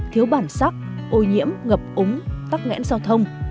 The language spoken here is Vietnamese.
thiếu bản sắc ô nhiễm ngập úng tắc nghẽn giao thông